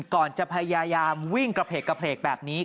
ก่อนจะพยายามวิ่งกระเพลกแบบนี้